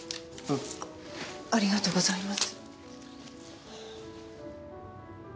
ありがとうございます。